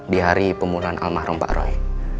di hari pembunuhan almarhum pak rai